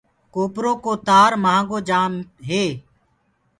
ڪوپرو ڪو تآر مآهنگو جآم هي۔